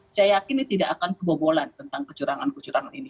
saya yakin ini tidak akan kebobolan tentang kecurangan kecurangan ini